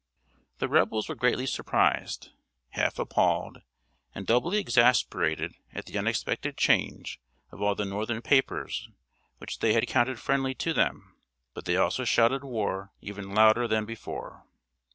The Rebels were greatly surprised, half appalled, and doubly exasperated at the unexpected change of all the northern papers which they had counted friendly to them; but they also shouted "War!" even louder than before.